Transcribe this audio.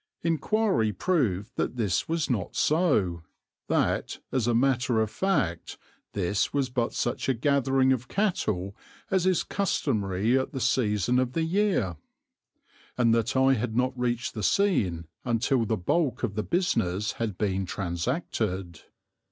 Inquiry proved that this was not so; that, as a matter of fact, this was but such a gathering of cattle as is customary at the season of the year, and that I had not reached the scene until the bulk of the business had been transacted.